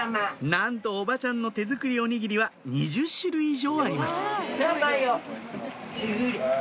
なんとおばちゃんの手作りおにぎりは２０種類以上あります